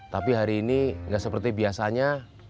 tapi hari ini nggak seperti biasanya